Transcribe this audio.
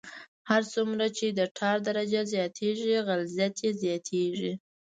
هر څومره چې د ټار درجه زیاتیږي غلظت یې زیاتیږي